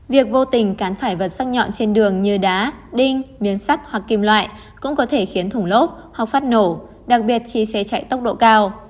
việc vô tình cán phải vật sắc nhọn trên đường như đá đinh miến sắt hoặc kim loại cũng có thể khiến thủng lốp hoặc phát nổ đặc biệt chỉ xe chạy tốc độ cao